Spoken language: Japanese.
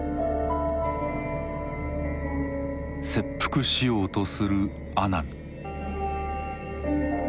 切腹しようとする阿南。